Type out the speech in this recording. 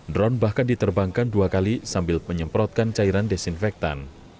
drone bahkan diterbangkan dua kali sambil menyemprotkan cairan desinfektan